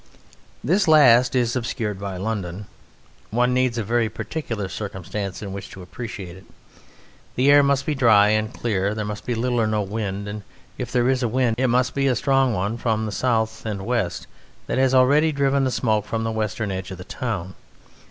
This last is obscured by London. One needs a very particular circumstance in which to appreciate it. The air must be dry and clear, there must be little or no wind, or if there is a wind it must be a strong one from the south and west that has already driven the smoke from the western edge of the town.